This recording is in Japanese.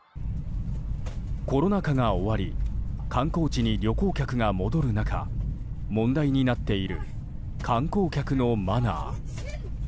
コロナ禍が終わり観光地に旅行客が戻る中問題になっている観光客のマナー。